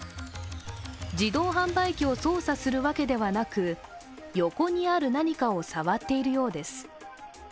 自動販売機を操作するわけではなく横にある何かを触っているようです。